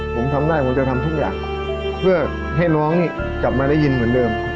ผมทำได้ผมจะทำทุกอย่างเพื่อให้น้องนี่กลับมาได้ยินเหมือนเดิม